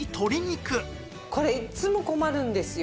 これいつも困るんですよ。